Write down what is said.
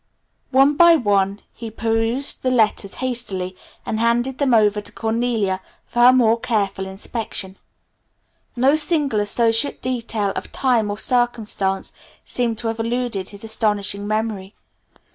One by one he perused the letters hastily and handed them over to Cornelia for her more careful inspection. No single associate detail of time or circumstance seemed to have eluded his astonishing memory.